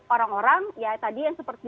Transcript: orang orang ya tadi yang seperti